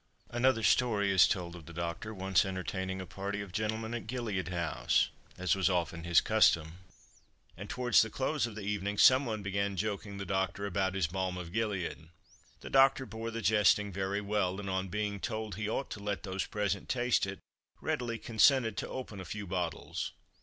Another story is told of the doctor once entertaining a party of gentlemen at Gilead House (as was often his custom), and towards the close of the evening, some one began joking the doctor about his "Balm of Gilead." The doctor bore the jesting very well, and on being told he ought to let those present taste it, readily consented to open a few bottles.